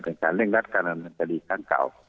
เป็นการเร่งรัฐการนำอายุทธีศาลกลั้งเก่า